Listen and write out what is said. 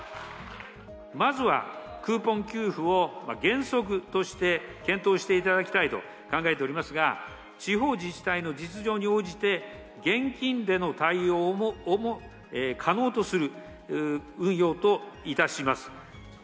まずはクーポン給付を原則として検討していただきたいと考えておりますが、地方自治体の実情に応じて、現金での対応をも可能とする運用といたします。